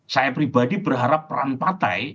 saya pribadi berharap peran partai